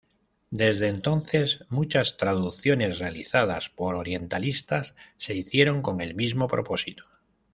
Desde entonces, muchas traducciones realizadas por orientalistas se hicieron con el mismo propósito.